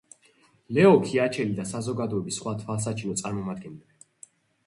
ლეო ქიაჩელი და საზოგადოების სხვა თვალსაჩინო წარმომადგენლები.